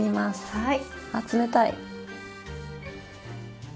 はい。